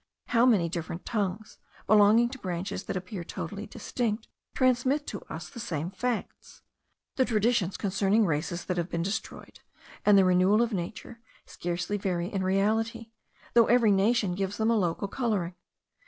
How many different tongues, belonging to branches that appear totally distinct, transmit to us the same facts! The traditions concerning races that have been destroyed, and the renewal of nature, scarcely vary in reality, though every nation gives them a local colouring.